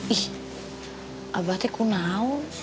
ih abah tuh kenapa